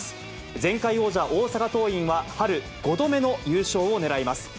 前回王者、大阪桐蔭は、春５度目の優勝をねらいます。